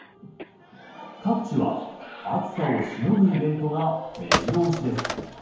各地は暑さをしのぐイベントが目白押しです。